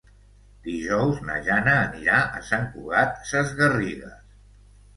Dijous na Jana anirà a Sant Cugat Sesgarrigues.